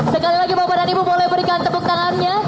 sekali lagi bapak dan ibu boleh berikan tepuk tangannya